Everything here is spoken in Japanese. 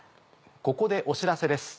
ここでお知らせです。